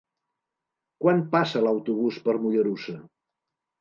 Quan passa l'autobús per Mollerussa?